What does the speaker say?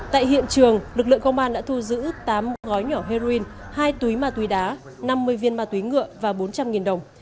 tại hiện trường lực lượng công an đã thu giữ tám gói nhỏ heroin hai túi ma túy đá năm mươi viên ma túy ngựa và bốn trăm linh đồng